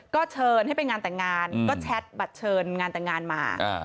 ก็เชิญให้ไปงานแต่งงานก็แชทบัตรเชิญงานแต่งงานมา